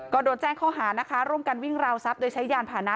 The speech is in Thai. ก็โดนแจ้งข้อหานะคะร่วมกันวิ่งราวทรัพย์โดยใช้ยานผ่านะ